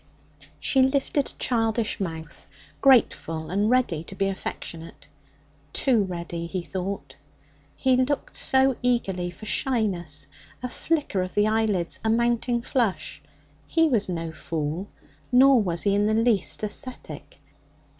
She lifted a childish mouth, grateful and ready to be affectionate. Too ready, he thought. He looked so eagerly for shyness a flicker of the eyelids, a mounting flush. He was no fool, nor was he in the least ascetic.